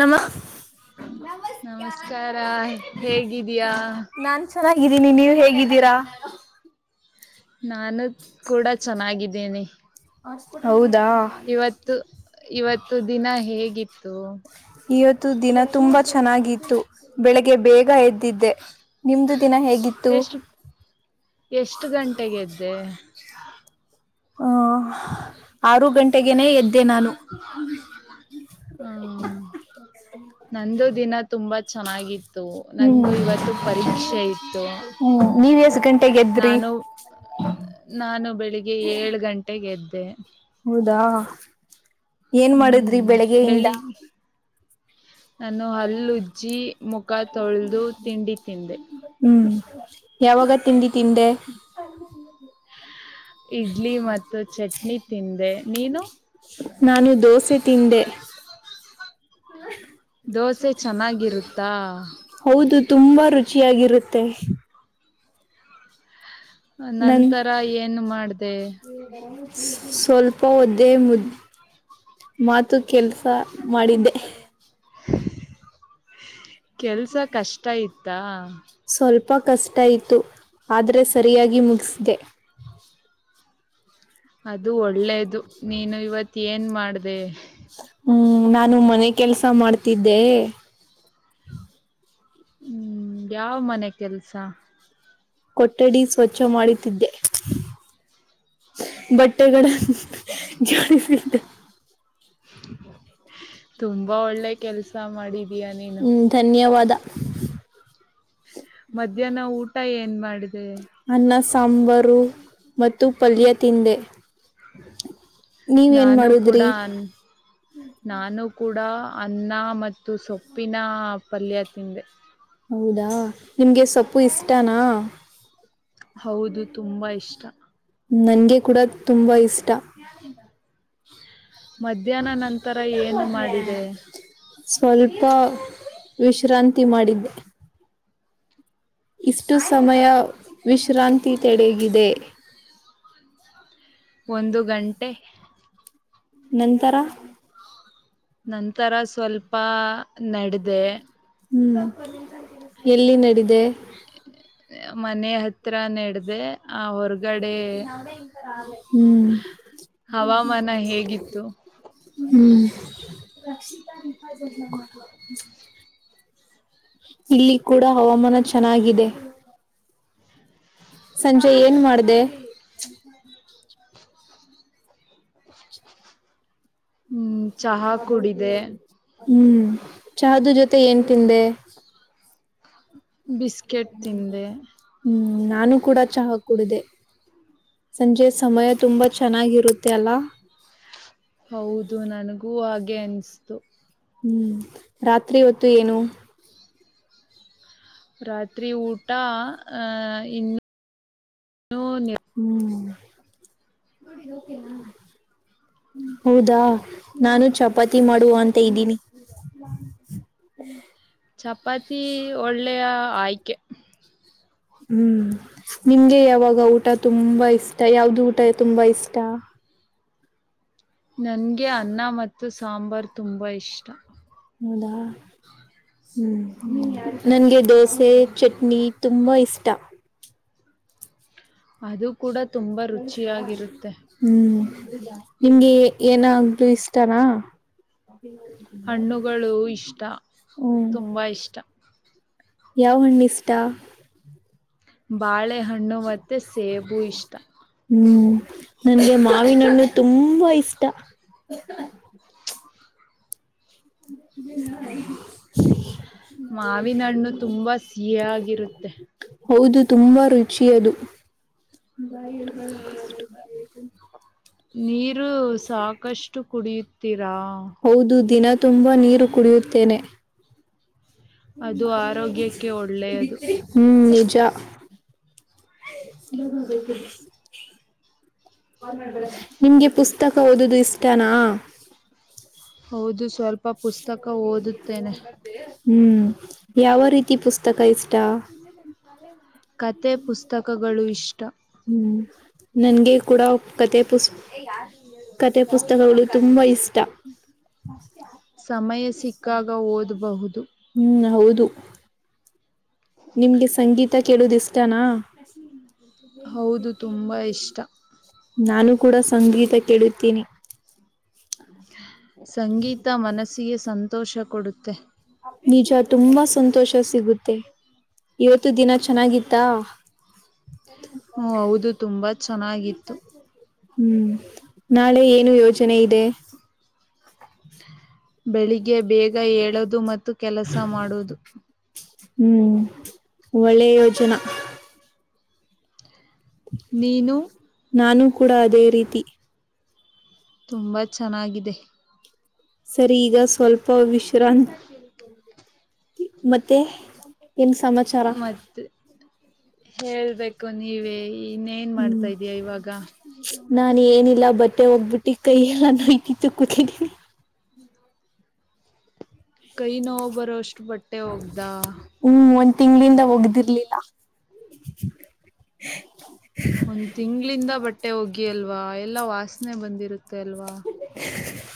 ನಮ್ಮ [inaudible] ನಾನ್ ಚೆನ್ನಾಗಿದ್ದೀನಿ ನೀವ್ ಹೇಗಿದ್ದೀರಾ ನಾನು ಕೂಡ ಚೆನ್ನಾಗಿದ್ದೇನೆ ಇವತ್ತು ಇವತ್ತು ದಿನ ಹೇಗಿತ್ತು ಎಷ್ಟಟ್ ಎಷ್ಟು ಗಂಟೆಗೆದ್ದೆ [inaudible] ಹ ಹ್ಮ [inaudible] ನಂದು ದಿನ ತುಂಬಾ ಚೆನ್ನಾಗಿತ್ತು ನನ್ಗು ಇವತ್ತು ಪರೀಕ್ಷೆ ಇತ್ತು ನಾನು ನಾನು ಬೆಳಿಗ್ಗೆ ಏಳು ಗಂಟೆಗೆ ಗೆದ್ ಮತ್ತು ಹೌದಾ ಏನ್ ಮಾಡುದ್ರಿ ಬೆಳಿಗ್ಗೆಯಿಂದ ನಾನು ಹಲ್ಲ ಉಜ್ಜಿ ಮುಖ ತೊಳೆದು ತಿಂಡಿ ತಿಂದೆ ಹ ನಾನು ದೋಸೆ ತಿಂದೆ ಹೌದು ತುಂಬಾ ರುಚಿಯಾಗಿರುತ್ತೆ ನನ್ ಸ್ವಲ್ಪ ಒದ್ದೇ ಮುದ್ದ ಮಾತು ಕೆಲ್ಸ ಮಾಡಿದ್ದೆ [inaudible] ಸ್ವಲ್ಪ ಕಷ್ಟ ಆಯತು ಆದ್ರೆ ಸರಿಯಾಗಿ ಮುಗಸ್ದೆ [unintelligible] ಅದು ಒಳ್ಳೇದು ನೀನು ಇವತ್ ಏನ್ ಮಾಡ್ದೆ ಹ್ಮ್ ನಾನು ಮನೆ ಕೆಲ್ಸ ಮಾಡ್ತಿದ್ದೆ ಹ್ಮ್ ಯಾವ್ ಮನೆ ಕೆಲ್ಸ ಕೊಠಡಿ ಸ್ವಚ್ಛ ಮಾಡುತ್ತಿದ್ದೆ [unintelligible] [inaudible] ಹ್ಮ್ ಧನ್ಯವಾದ. ಅನ್ನ, ಸಾಂಬಾರು ಮತ್ತು ಪಲ್ಯ ತಿಂದೆ ನೀವ್ ಏನ್ ಮಾಡುದ್ರಿ. ಅನ್ನ ಮತ್ತು ಸೊಪ್ಪಿನ ಪಲ್ಯ ತಿಂದೆ. ಹೌದಾ ನಿಮ್ಗೆ ಸೊಪ್ಪು ಇಷ್ಟನಾ. ಹೌದು ತುಂಬಾ ಇಷ್ಟಾ. ನಂಗೆ ಕೂಡ ತುಂಬಾ ಇಷ್ಟ ಸ್ವಲ್ಪ ವಿಶ್ರಾಂತಿ ಮಾಡಿದ್ದೆ. [unintelligible] ಒಂದು ಗಂಟೆ. ನಂತರ ನನ್ನ್ ನಂತರ ಸ್ವಲ್ಪ ನಡೆದೆ. ಎಲ್ಲಿ ನಡಿದ್. ದೇ ಮನೆ ಹತ್ರಾ ನಡದೆ. ಹ್ಮ ಹ್ಮ. ಇಲ್ಲಿ ಕೂಡ ಹವಾಮಾನ ಚೆನ್ನಾಗಿದೆ. [unintelligible] [inaudible] [inaudible] ಹ್ಮ್ ಚಹದು ಜೊತೆ ಏನ್ ತಿಂದೆ. ಹ್ಮ್ ನಾನು ಕೂಡ ಚಹಾ ಕುಡುದೆ ಸಂಜೆ ಸಮಯ ತುಂಬಾ ಚೆನ್ನಾಗಿರುತ್ತೆ ಅಲ್ಲ. ಹೌದು ನನಗೂ ಹಾಗ ಗೆ ಅನ್ಸ್ತು ಹ್ಮ್ ರಾತ್ರಿ ಹೊತ್ತು ಏನು ರಾತ್ರಿ ಊಟ ಆಹ ಇನ್ನು ಹ್ಮ್ ಚಪಾತಿ ಒಳ್ಳೆಯ ಆಯ್ಕೆ ಹ್ಮ್ ನಿಮ್ಗೆ ಯಾವಾಗ ಊಟ ತುಂಬಾ ಇಷ್ಟ ಯಾವ್ದು ಊಟ ಇ ತುಂಬಾ ಇಷ್ಟ ನನ್ಗೆ ಅನ್ನ ಮತ್ತು ಸಾಂಬಾರು ತುಂಬ ಇಷ್ಟ ಹೌದಾ ಹ್ಮ್ ನನ್ಗೆ ದೋಸೆ ಚಟ್ನಿ ತುಂಬಾ ಇಷ್ಟ ಹ್ಮ್ ನಿಮ್ಗೆ ಏನಾಗೂ ಇಷ್ಟಾರ ಹಣ್ಣುಗಳು ಇಷ್ಟ ತುಂಬ ಇಷ್ಟ ಯಾವ ಹಣ್ಣು ಇಷ್ಟ ಹ್ಮ ಹ್ಮ್ ನನ್ಗೆ ಮಾವಿನ್ಣು ತುಂಬಾ ಇಷ್ಟ [inaudible] ಹೌದು ತುಂಬಾ ರುಚಿಯದು ಹೌದು ದಿನ ತುಂಬಾ ನೀರು ಕುಡಿಯುತ್ತೇನೆ ಹ್ಮ್ ನಿಜ ಹ್ಮ ಬೇಕು ಹೌದು ಸ್ವಲ್ಪ ಹ್ಮ್ ಯಾವ ರೀತಿ ಪುಸ್ತಕ ಇಷ್ಟ ಕತೆೆ ಪುಸ್ತಕಗಳು ಇಷ್ಟ ಹ್ಮ್ ನನ್ಗೆ ಕೂಡ ಕತೆ ಸಮಯ ಸಿಕ್ಕಾಗ ಓದಬಹುದು ತ್ತು ಹೌದು ತುಂಬಾ ಇಷ್ಟ ಕೂಡ ಸಂಗೀತ ಕೆಡುತ್ತೀನಿ ಹ ಸಂಗೀತ ಮನಸ್ಸಿಗೆ ಸಂತ ತೋಷ ಕೊಡುತ್ತೆ ನಿಜ ತುಂಬಾ ಸಂತೋಷ ಸಿಗುತ್ ತ್ತೆ ಹ ಹೌದು ತುಂಬಾ ಚೆನ್ನಾಗಿತ್ತು ನಾಳೆ ಏನು ಯೋಜನೆ ಇದೆ ಬೆಳಿಗ್ಗೆ ಬೇಗ ಹೇಳೋದು ಮತ್ತು ಕೆಲಸ ಮಾಡೋದು ಹ್ಮ್ ಒಳ್ಳೆ ಯೋಜನಾ ನಾನೂ ಕೂಡ ಅದೇ ರೀತಿ ತುಂಬಾ ಚೆನ್ನಾಗಿದೆ ಸರಿ ಈಗ ಸ್ವಲ್ಪ ವಿಶ್ರಾತ್ ಮತ್ತೆ ಏನ್ ಸಮಾಚಾರ ಹ್ಮ್ ನಾನು ಏನಿಲ್ಲ ಬಟ್ಟೆ ಹೋಗ್ಬಿಟ್ಟಿ ಕೈ ಎಲ್ಲ ನೋಯತ್ತು ಕೂತಿದ್ದೀ ನಿ ಹ್ಮ್ ಒಂದ್ ತಿಂಗಗಳಿಂದ ಒಗ್ದಿರ್ಲಿಲ್ಲ [unintelligible] ಒಂದ್ ತಿಂಗಳಿಂದ ಬಟ್ಟೆ ಹೋಗಿ ಅಲ್ವಾ ಎಲ್ಲಾ ವಾಸನೆ ಬಂದಿರುತ್ತೆ ಅಲ್ವಾ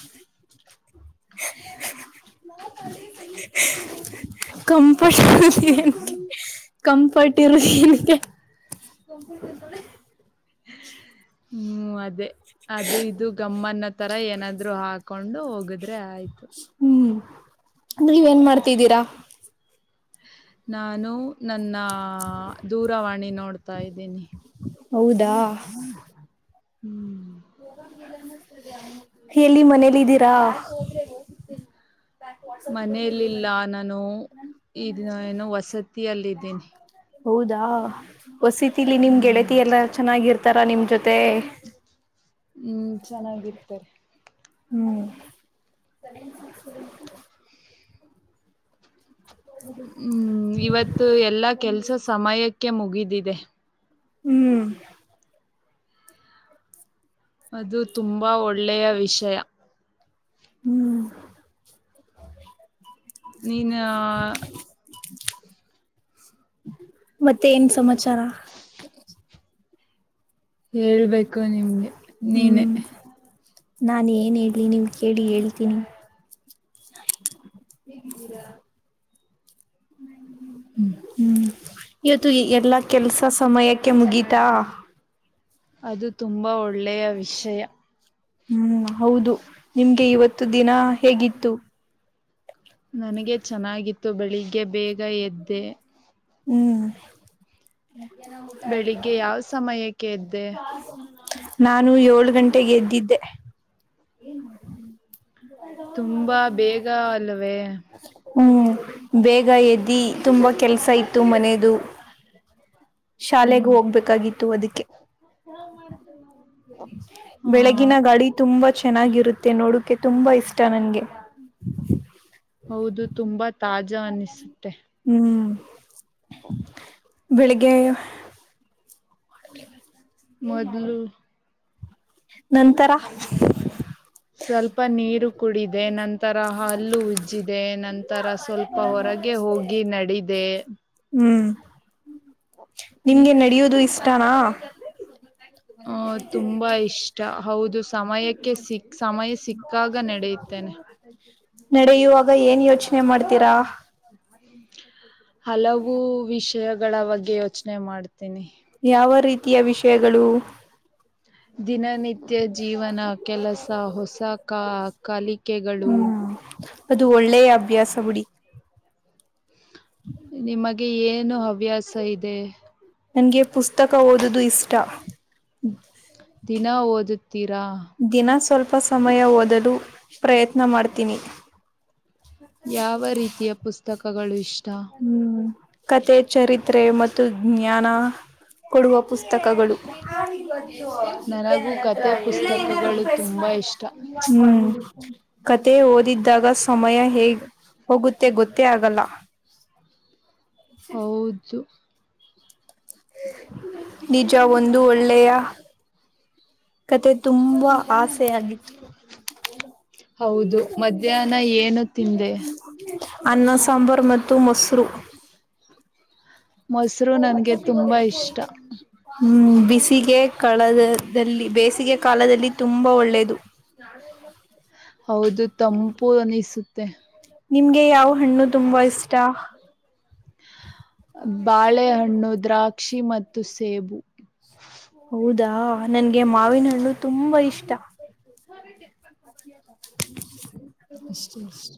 [unintelligible] [unintelligible] ಕಂಫರ್ಟ್ ಇ ಏನ್ ಕಂಫರ್ಟ್ ಇರಲಿ ಏನಕ್ಕೆ ಹ್ಮ್ ಅದೇ ಅದು ಇದು ಗಮ್ಮನ್ನೋ ತರ ಏನಾದ್ರು ಹಾಕೊಂಡು ಹೋಗದ್ರೆ ಆಯ್ತು ನೀವ ಎನ್ ಮಾಡ್ತಿದ್ದೀರಾ ನಾನು ನನ್ನ ಹ ದೂರವಾಣಿ ನೋಡ್ತಾ ಇದ್ದೀನಿ ಹೌದಾ ಹ್ಮ್ ಹೋಗೋದಿಲ್ಲ ಅನ್ನಿಸ್ತದೆ ನಂಬಬೋದು ಮನಲ್ಲಿದ್ದೀರಾ ಯಾಕ್ ಹೋದ್ರೆ ಹೋಗುತ್ತೆ ಮನೆಯಲ್ಲಿಲ್ಲ ನಾನು ಈನ ಏನು ವಸತಿಯಲ್ಲ ಇದಿದ್ದೇನಿ ಹೌದಾ ವಸತಿಲಿ ನಿಮ್ ಗೆಳತಿ ಎಲ್ಲಾ ಚೆನ್ನಾಗಿರ್ತಾರ ನಿಮ್ ಜೊತೆ ಹ್ಮ್ ಹ್ಮ್ ಇವತ್ತು ಎಲ್ಲಾ ಕೆಲ್ಸ ಸಮಯಕ್ಕೆ ಮುಗಿದ ದಿದೆ ಹ್ಮ್ ಹ್ಮ್ [inaudible] ನೀನು [inaudible] ಮತ್ತ ಏನ್ ಸಮಾಚಾರ ಹೇಳ್ಬೇಕು ನಿಮ್ಗೆ ನೀನ ನಾನ ಏನ್ ಹೇಳಲಿ ನೀವ್ ಕೇಳಿ ಹೇಳ್ತೀನಿ [inaudible] ಹೇಗಿದ್ದೀರಾ ಹ್ಮ್ ಹ್ಮ್ ಇವತ್ತು ಎಲ್ಲಾ ಕೆಲ್ಸ ಸಮಯಕ್ಕೆ ಮುಗೀಿತಾ ಹ್ಮ್ ಹೌದು ನಿಮ್ಗೆ ಇವತ್ತು ದಿನ ಹೇಗಿತ್ತು ನನಗೆ ಚೆನ್ನಾಗಿತ್ತು ಬೆಳಿಗ್ ಗೆ ಬೇಗ ಎದ್ದೆ ಹ್ಮ್ [inaudible] ನಾ ನು ಏಳು ಗಂಟೆಗೆ ಎದ್ದಿದ್ದೆ ಹ್ಮ್ ಬೇಗ ಎದ್ದಿ ತುಂಬಾ ಕೆಲ್ಸ ಇತ್ತು ಮನೇದು ಹ್ಮ್ ಹ್ಮ ತುಂಬಾ ಇಷ್ಟ ನನ್ಗೆ ಹ್ಮ್ ಬೆಳಿಗ್ಗೆ [inaudible] ಸ್ವಲ್ಪ ನೀರು ಕುಡಿದೆ ನಂತರ ಹಲ್ಲು ಉಜ್ಜಿದೆ ನಂತರ ಸ್ವಲ್ಪ ಹೊರಗೆ ಹೋಗಿ ನಡಿದೆ ನೀ ಹ ತುಂಬಾ ಇಷ್ಟ ಹೌದು ಸಮಯಕ್ಕೆ ಸಿಕ್ ಸಮಯ ಸಿಕ್ಕಾಗ ನಡೆಯುತ್ತೇನೆ ನಡೆಯುವಾಗ ಏನ್ ಯೋಚನೆ ಏನ್ ಮಾಡ್ತೀರಾ ಹಲವು ವಿಷಯಗಳ ಬಗ್ಗೆ ಯೋಚನೆ ಮಾಡ್ತ ಯಾವ ರೀತಿ ಪ್ರಿಯ ವಿಷಯಗಳು ಹ್ಮ್ ಅದು ಒಳ್ಳೆಯ ಅಭ್ಯಾಸ ಬಿಡಿ ನಿಮಗೆ ಏನು ಹವ್ಯಾಸ ಇದೆ ನಂಗೆ ಪುಸ್ತಕ ಓದುದು ಇಷ್ಟ ದಿನ ಸ್ವಲ್ಪ ಸಮಯ ಓದಲು ಪ್ರಯತ್ನ ಮಾಡ್ತೀನಿ ಯಾವ ರೀತಿಯ ಪುಸ್ತಕ ಗಳು ಇಷ್ಟು ಹ್ಮ್ ಕತೆ ಚರಿತ್ರೆ ಮತ್ತು ಜ್ಞಾನ ಕೊಡುವ ಪುಸ್ತಕಗಳು ಹ್ಮ್ ಕತೆ ಓದಿದ್ದಾಗ ಸಮಯ ಹೇ ಹೋಗುತ್ತೆ ಗೊತ್ತೇ ಆಗಲ್ಲ ಹ್ಮ ನಿಜ ಒಂದು ಒಳ್ಳೆಯ ಕತೆ ತುಂಬಾ ಆಸೆ ಆಗಿತ್ತು ಹೌದು ಮಧ್ಯಾಹ್ನ ಅನ್ನ ಸಾಂಬಾರು ಮತ್ತು ಮೊಸರು [inaudible] ಬಿಸಿಗೆ ಕಳೆದ ಬೇಸಿಗೆ ಕಾಲದಲ್ಲಿ ತುಂಬಾ ಒಳ್ಳೇದು ನಾ ಹೌದು ತಂಪು ಅನಿಸುತ್ತೆ ನಿಮ್ಗೆ ಯಾವ ಹಣ್ಣು ತುಂಬಾ ಇಷ್ಟ ಬಾಳೆಹಣ್ಣು ದ್ರಾಕ್ಷಿ ಮತ್ತು ಸೇಬು ಹೌದಾ ನನ್ಗೆ ಮಾವಿನ ಹಣ್ಣು ತುಂಬಾ ಇಷ್ಟ [inaudible] ಅ